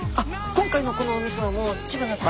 今回のこのおみそも知花さん